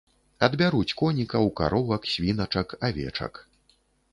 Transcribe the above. Адбяруць конікаў, каровак, свіначак, авечак.